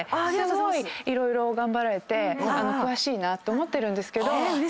すごい色々頑張られて詳しいなと思ってるんですけど。